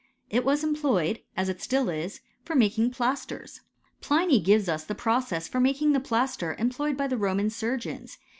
It was employed, as it still is, for j making plasters. Pliny gives us the process for ■;^ making the plaster employed by the Roman surgeons..